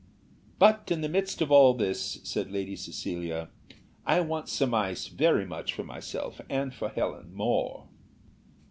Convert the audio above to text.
"But in the midst of all this," said Lady Cecilia, "I want some ice very much for myself, and for Helen more."